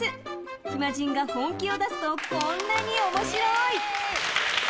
暇人が本気を出すとこんなに面白い。